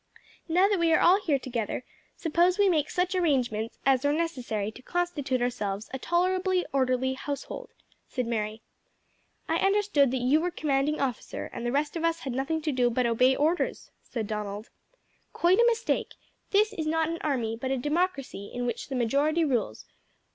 "Now that we are all here together, suppose we make such arrangements as are necessary to constitute ourselves a tolerably orderly household," said Mary. "I understood that you were commanding officer, and the rest of us had nothing to do but obey orders," said Donald. "Quite a mistake. This is not an army, but a democracy, in which the majority rules.